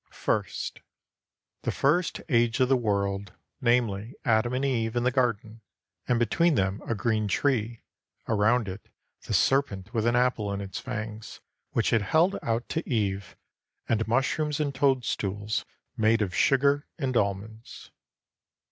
] First The first age of the world, namely, Adam and Eve in the garden, and between them a green tree; around it, the serpent with an apple in its fangs, which it held out to Eve, and mushrooms and toadstools made of sugar and almonds.